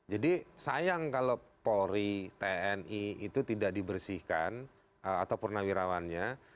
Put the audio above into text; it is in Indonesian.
jadi sayang kalau polri tni itu tidak dibersihkan atau purnawirawannya